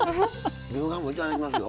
牛丸もいただきますよ。